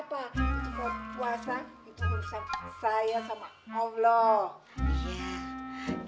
buat puasa itu urusan saya sama allah